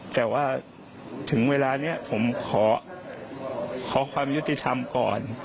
แต่ว่าถึงเวลานี้ผมขอความยุติธรรมก่อน